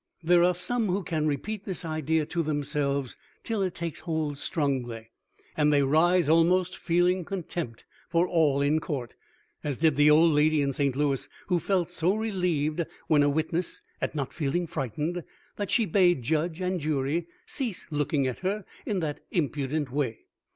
There are some who can repeat this idea to themselves till it takes hold strongly, and they rise almost feeling contempt for all in court as did the old lady in Saint Louis, who felt so relieved when a witness at not feeling frightened that she bade judge and jury cease looking at her in that impudent way.